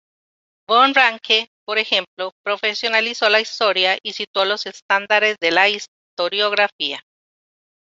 Von Ranke, por ejemplo, profesionalizó la historia y situó los estándares de la historiografía.